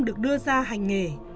được đưa ra hành nghề